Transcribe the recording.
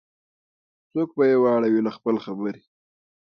څوک به یې واړوي له خپل خبري